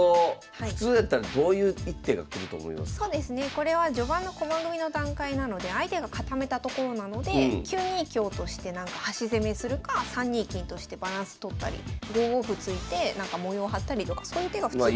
これは序盤の駒組みの段階なので相手が固めたところなので９二香として端攻めするか３二金としてバランス取ったり５五歩突いてなんか模様張ったりとかそういう手が普通かなと。